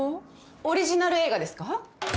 オリジナル映画ですか？